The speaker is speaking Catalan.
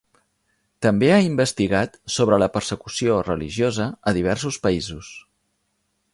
També ha investigat sobre la persecució religiosa a diversos països.